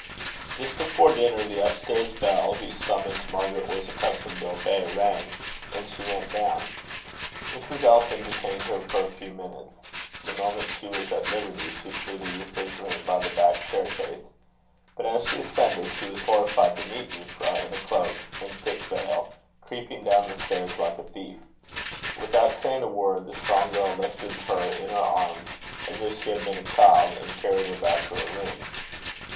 Just before dinner, the upstairs bell, whose summons Margaret was accustomed to obey, rang, and she went down. Mrs. Elton detained her for a few minutes. The moment she was at liberty, she flew to Euphra's room by the back staircase. But, as she ascended, she was horrified to meet Euphra, in a cloak and thick veil, creeping down the stairs like a thief. Without saying a word, the strong girl lifted her in her arms as if she had been a child, and carried her back to her room.